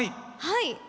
はい。